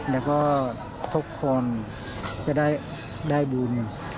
แล้วก็ทุกคนจะได้บุญ